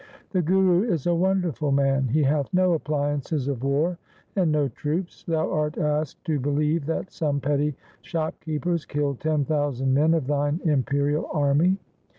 The Guru is a wonderful man. He hath no appliances of war and no troops. Thou art asked to believe that some petty shopkeepers killed ten thousand men of thine imperial army.